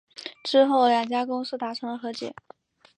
之后两家公司达成了和解。